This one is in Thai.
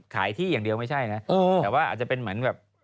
ขายที่อย่างเดียวไม่ใช่นะแต่ว่าอาจจะเป็นเหมือนแบบ